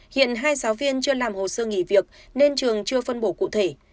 hiện hai giáo viên chưa làm hồ sơ nghỉ việc nên trường chưa phân bổ cụ thể